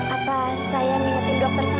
apa saya mengerti dokter sedih